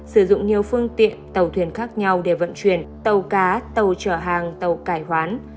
sử dụng nhiều phương tiện tàu thuyền khác nhau để vận chuyển tàu cá tàu chở hàng tàu cải hoán